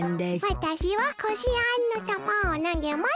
わたしはこしあんのたまをなげます！